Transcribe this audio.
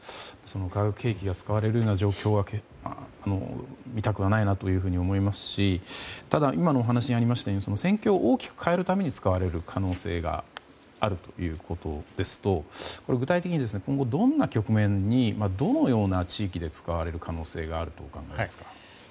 化学兵器が使われるような状況は見たくはないなと思いますしただ、今のお話にありましたように戦況を大きく変えるために使われる可能性があるということですと具体的に今後、どんな局面にどのような地域で使われる可能性があるとお考えですか。